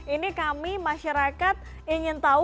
ini kami masyarakat ingin tahu